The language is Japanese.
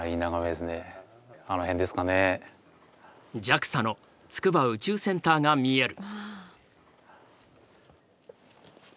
ＪＡＸＡの筑波宇宙センターが見える。